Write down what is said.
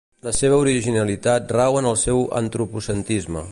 La seva originalitat rau en el seu antropocentrisme.